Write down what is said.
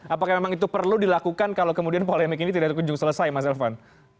apakah memang itu perlu dilakukan kalau kemudian polemik ini tidak kunjung selesai mas elvan